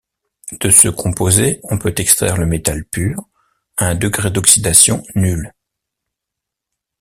De ce composé, on peut extraire le métal pur, à un degré d'oxydation nul.